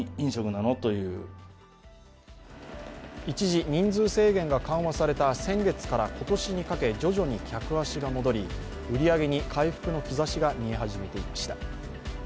一時人数制限が緩和された先月から今年にかけて徐々に客足が戻り売り上げに回復の兆しが見え始めていました。